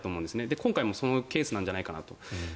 今回もそのケースなんじゃないかなと。